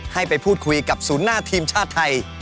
ให้ไปพูดคุยกับศูนย์หน้าทีมชาติไทย